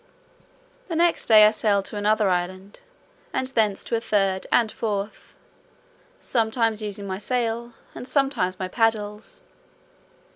The next day I sailed to another island, and thence to a third and fourth, sometimes using my sail, and sometimes my paddles.